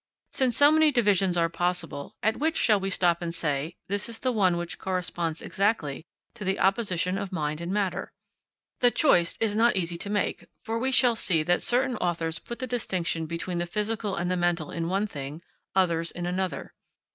Since so many divisions are possible, at which shall we stop and say: this is the one which corresponds exactly to the opposition of mind and matter? The choice is not easy to make; for we shall see that certain authors put the distinction between the physical and the mental in one thing, others in another.